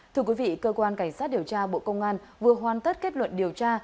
thưa quý vị cơ quan cảnh sát điều tra bộ công an vừa hoàn tất kết luận điều tra